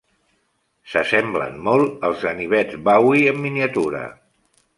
S'assemblen molt als ganivets Bowie en miniatura.